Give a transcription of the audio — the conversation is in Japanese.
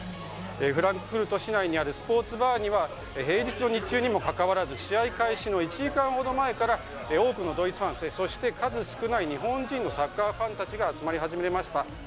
フランクフルト市内にあるスポーツバーには平日の日中にもかかわらず試合開始の１時間ほど前から多くのドイツファン、そして数少ない日本人のサッカーファンたちが集まり始めました。